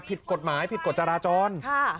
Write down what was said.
ผิดกฎหมายผิดกฎจราจร